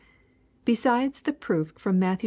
"Besides the proof from Matt x.